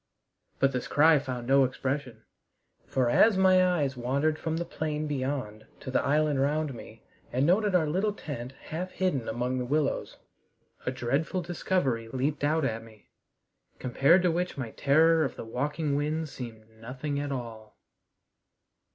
But this cry found no expression, for as my eyes wandered from the plain beyond to the island round me and noted our little tent half hidden among the willows, a dreadful discovery leaped out at me, compared to which my terror of the walking winds seemed as nothing at all.